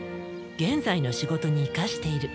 現在の仕事に生かしている。